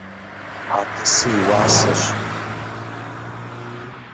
Апэсы и уасэщ.